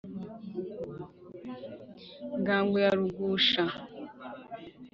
ngango ya rugusha